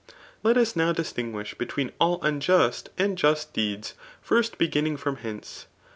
Ljst us now distinguish between all* unjust and just ^eeds first beginning from hence.